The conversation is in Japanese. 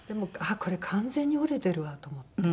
これ完全に折れてるわと思って。